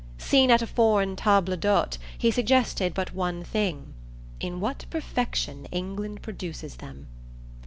Seen at a foreign table d'hote he suggested but one thing: "In what perfection England produces them!"